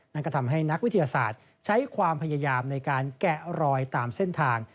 นั่นก็ทำให้นักวิทยาศาสตร์ใช้ความพยายามในการแกะรอยตามเส้นทาง